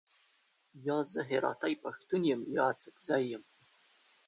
یا، زه هراتۍ پښتون یم، اڅګزی یم.